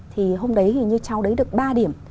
thì hôm đấy thì như cháu đấy được ba điểm